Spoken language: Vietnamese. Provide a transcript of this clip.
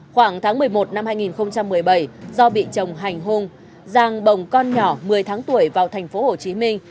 khoảng tháng một mươi một năm hai nghìn một mươi bảy do bị chồng hành hung giang bồng con nhỏ một mươi tháng tuổi vào thành phố hồ chí minh